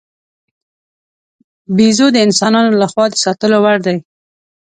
بیزو د انسانانو له خوا د ساتلو وړ دی.